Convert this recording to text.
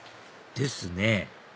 ですね